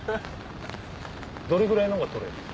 どれぐらいのが取れる？